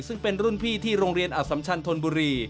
ซึ่งเป็นรุ่นพี่ที่โรงเรียนอสัมชันธนบุรี